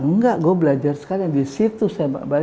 enggak gue belajar sekali disitu saya